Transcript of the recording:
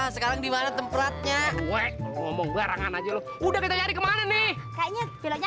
sekarang dimana tempatnya weh ngomong barangan aja udah kita nyari kemana nih kayaknya bilangnya